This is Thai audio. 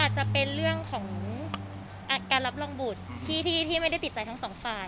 จะเป็นเรื่องของการรับรองบุตรที่ไม่ได้ติดใจทั้งสองฝ่าย